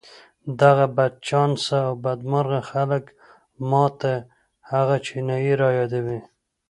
دغه بدچانسه او بدمرغه خلک ما ته هغه چينايي را يادوي.